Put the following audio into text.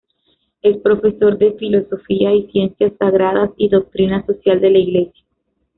Es profesor de Filosofía y Ciencias Sagradas y Doctrina Social de la Iglesia.